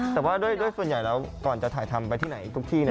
แต่ว่าด้วยส่วนใหญ่แล้วก่อนจะถ่ายทำไปที่ไหนทุกที่